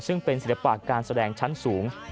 ซึ่งเป็นศิลปะการแสดงชั้นสูง